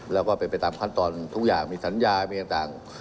แล้วก็เป็นไปตามขั้นตอนทุกอย่างมีสัญญามีต่าง